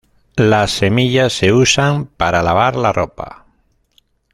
Las semillas se usan para lavar la ropa.